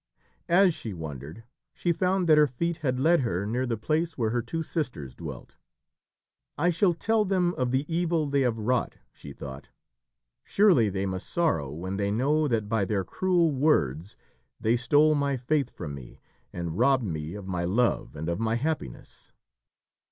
As she wandered, she found that her feet had led her near the place where her two sisters dwelt. "I shall tell them of the evil they have wrought," she thought. "Surely they must sorrow when they know that by their cruel words they stole my faith from me and robbed me of my Love and of my happiness."